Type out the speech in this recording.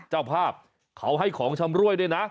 เจ้าภาพเขาให้ของชำรวยด้วยนะ